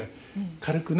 軽くね。